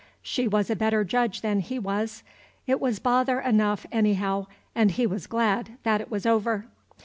She was a better judge than he was. It was bother enough, anyhow, and he was glad that it was over.